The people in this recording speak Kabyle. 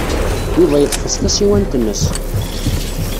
Yuba yeḍfes tasiwant-nnes.